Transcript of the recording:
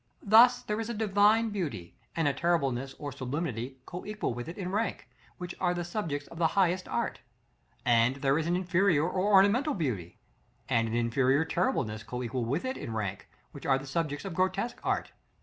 Thus there is a Divine beauty, and a terribleness or sublimity coequal with it in rank, which are the subjects of the highest art; and there is an inferior or ornamental beauty, and an inferior terribleness coequal with it in rank, which are the subjects of grotesque art.